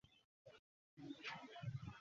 চলো, আমি তোমাকে ঘরে পৌছে দিয়ে আসি।